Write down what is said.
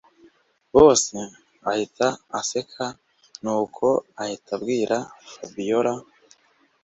Boss ahita aseka nuko ahita abwira Fabiora